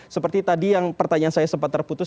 seperti tadi yang pertanyaan saya sempat terputus